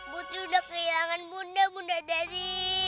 putri udah kehilangan bunda bunda dari